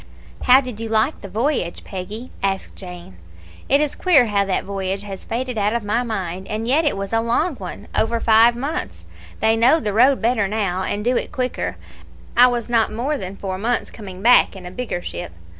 "How did you like the voyage, Peggy?" asked Jane. "It is queer how that voyage has faded out of my mind, and yet it was a long one over five months; they know the road better now, and do it quicker. I was not more than four months coming back in a bigger ship.